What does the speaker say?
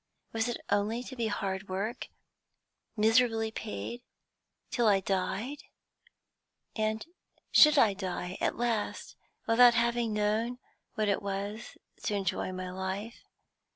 Was it only to be hard work, miserably paid, till I died? And I should die at last without having known what it was to enjoy my life.